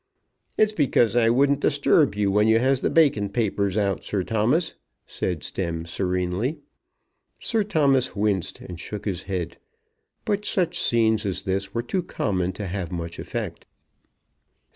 "It's because I wouldn't disturb you when you has the Bacon papers out, Sir Thomas," said Stemm serenely. Sir Thomas winced and shook his head; but such scenes as this were too common to have much effect.